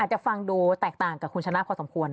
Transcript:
จะฟังดูแตกต่างกับคุณชนะพอสมควร